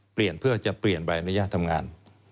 เปลี่ยนเพื่อจะเปลี่ยนใบอนุญาตทำงาน